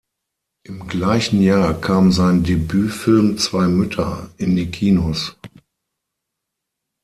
Im gleichen Jahr kam sein Debütfilm "Zwei Mütter" in die Kinos.